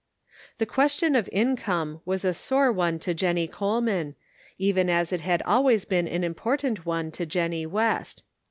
The question of income was a sore one to Jennie Coleman, even as it had alwa}*s been an important one to Jennie West.